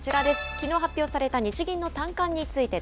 きのう発表された日銀の短観につ